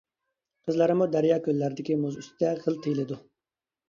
قىزلارمۇ دەريا-كۆللەردىكى مۇز ئۈستىدە غىل تېيىلىدۇ.